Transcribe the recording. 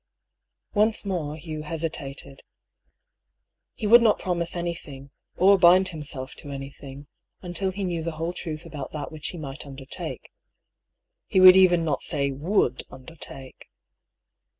Once more . Hugh hesitated. He would not promise anything, or bind himself to anything, until he knew the whole truth about that which he might undertake (he would even not say would undertake).